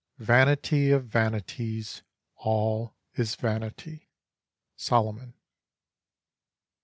] 'Vanity of vanities, all is vanity.'—SOLOMON.